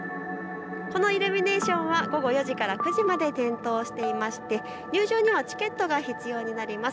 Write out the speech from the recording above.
このイルミネーションは午後４時から９時まで点灯していまして入場にはチケットが必要になります。